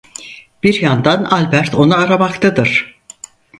Bir yandan Albert onu aramaktadır.